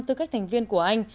tư cách thành viên của anh